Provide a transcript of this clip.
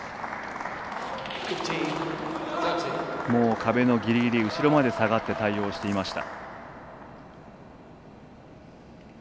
壁のギリギリ、後ろまで下がって対応していました。